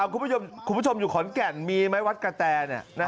คุณผู้ชมอยู่ขอนแก่นมีไหมวัดกะแต